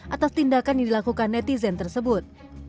atas tindakan yang dilakukan netizen tersebut